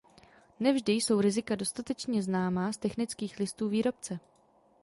Ne vždy jsou rizika dostatečně zřejmá z technických listů výrobce.